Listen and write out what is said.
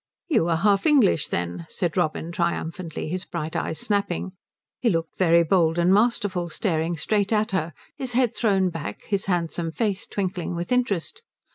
"You are half English, then," said Robin triumphantly, his bright eyes snapping. He looked very bold and masterful staring straight at her, his head thrown back, his handsome face twinkling with interest.